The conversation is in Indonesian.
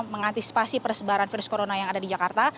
mengantisipasi persebaran virus corona yang ada di jakarta